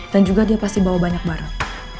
dan juga dia pasti bawa banyak barang